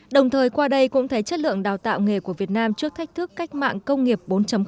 đồng thời qua đây cũng thấy chất lượng đào tạo nghề của việt nam trước thách thức cách mạng công nghiệp bốn